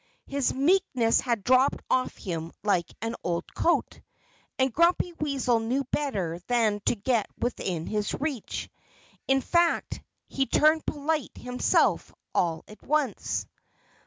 His meekness had dropped off him like an old coat. And Grumpy Weasel knew better than to get within his reach. In fact he turned polite himself, all at once.